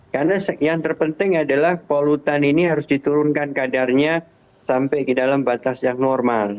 karena yang terpenting adalah polutan ini harus diturunkan kadarnya sampai ke dalam batas yang normal